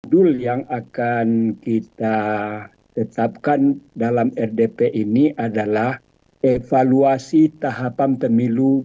modul yang akan kita tetapkan dalam rdp ini adalah evaluasi tahap pamtemilu dua ribu dua puluh empat